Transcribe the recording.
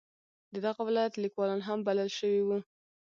د دغه ولایت لیکوالان هم بلل شوي وو.